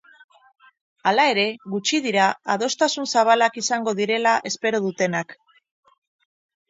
Hala ere, gutxi dira adostasun zabalak izango direla espero dutenak.